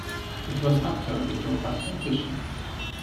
It was after they got back from fishing.